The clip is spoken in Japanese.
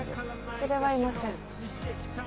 連れはいません。